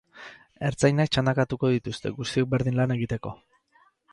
Ertzainak txandakatuko dituzte, guztiek berdin lan egiteko.